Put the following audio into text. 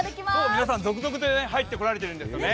皆さん、続々入ってこられているんですよね。